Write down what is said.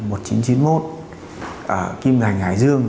ở kim thành hải dương